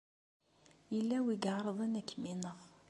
Yella win i iɛeṛḍen ad kem-ineɣ.